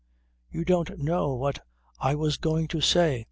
You don't know what I was going to say."